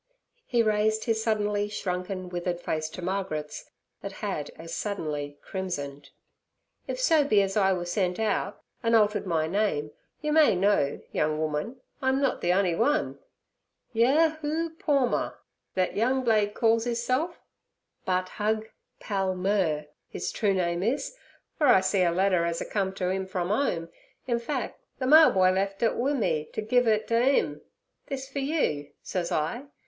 He raised his suddenly shrunken, withered face to Margaret's, that had as suddenly crimsoned. 'If so be az I were sent out, an' altered my name, yer may know, young woman, I'm nut ther on'y one. "Yerhoo Pormer" thet young blade calls 'isself, but Hug Pal mer he's true name is, fer I see a letter as a cum to 'im from 'ome; in fac', ther mail boy lef' it wi' me ter give it ter 'im. "This fer you?" sez I.